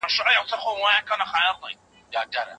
انلاين درسونه د زده کوونکو بې هڅې سره نه ترسره کيږي.